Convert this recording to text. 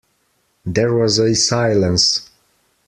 There was a silence.